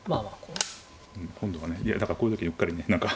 うん今度はねいやだからこういう時にうっかりね何か。